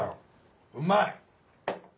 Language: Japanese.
うまい！